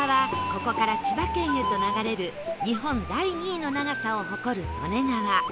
ここから千葉県へと流れる日本第２位の長さを誇る利根川